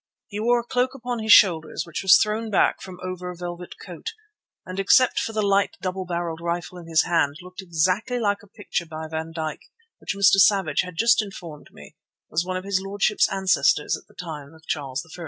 He wore a cloak upon his shoulders, which was thrown back from over a velvet coat, and, except for the light double barrelled rifle in his hand, looked exactly like a picture by Van Dyck which Mr. Savage had just informed me was that of one of his lordship's ancestors of the time of Charles I.